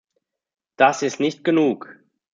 Das ist nicht genug.